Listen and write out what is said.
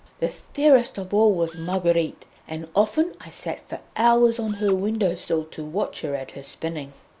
The fairest of all was Marguerite, and often I sat for hours on her window sill to watch her at her spinning.